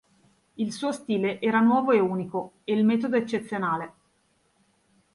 Il suo stile era nuovo e unico, e il metodo eccezionale.